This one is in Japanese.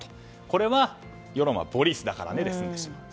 これは、世論はボリスだからねで済んでしまった。